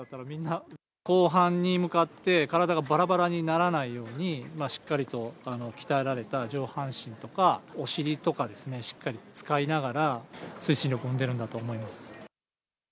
後半に向かって、体がばらばらにならないように、しっかりと鍛えられた上半身とか、お尻とかしっかり使いながら、推進力を生んでるんだと思います。